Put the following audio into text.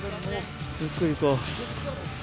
ゆっくりいこう。